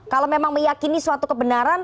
kalau memang meyakini suatu kebenaran